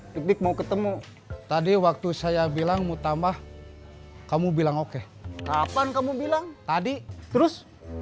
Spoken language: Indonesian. piknik mau ketemu tadi waktu saya bilang mu tambah kamu bilang oke kapan kamu bilang tadi terus